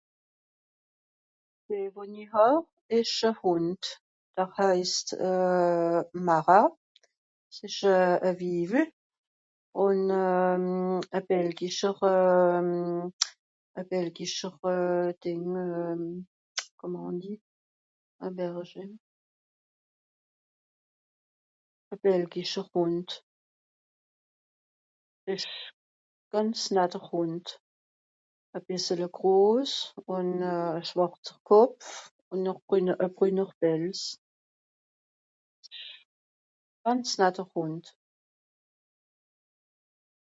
d'fee won'i hà esch à hùnd er haisst mara s'esch à à vivel ùn euh à belguischer euh à belguischer euh dìng euh comment on dit un berger à belguischer hùnd s'esch à gànz natter hùnd à bìssele gross ùn euh à schwàrzer kòpf o no brun à bruner belz gànz natter hùnd